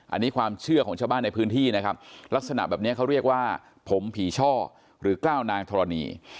อันนี้ความเชื่อของชาวบ้านในพื้นที่นะครับลักษณะแบบนี้เขาเรียกว่าผมผีช่อหรือกล้าวนางธรณี